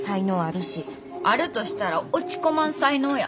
あるとしたら落ち込まん才能や。